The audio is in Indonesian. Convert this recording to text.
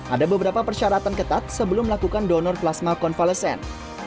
ada beberapa persyaratan ketat sebelum melakukan donor plasma konvalesen